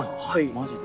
マジで。